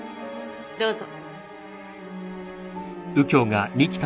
どうぞ。